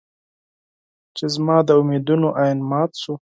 چې زما د امېدونو ائين مات شو